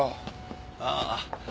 ああ。